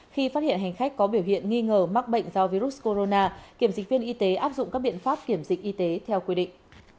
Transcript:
khi phát hiện hành khách có biểu hiện nghi ngờ mắc bệnh do virus corona kiểm dịch viên y tế áp dụng các biện pháp kiểm dịch y tế theo quy định